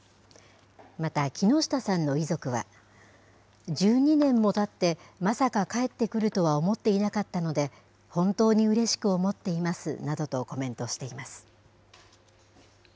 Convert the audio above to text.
また、木下さんの遺族は、１２年もたって、まさか帰ってくるとは思っていなかったので、本当にうれしく思っていますなどとコメントしています。